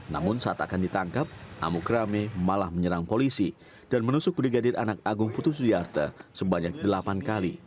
namun saat akan ditangkap amuk rame malah menyerang polisi dan menusuk brigadir anak agung putus sudiarte sebanyak delapan kali